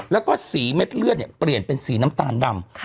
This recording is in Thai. แล้วก็สีเม็ดเลือดเปลี่ยนเป็นสีน้ำตาลดำ